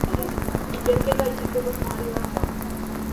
Ikerketa isilpeko sumarioan da.